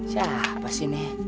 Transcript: siapa sih ini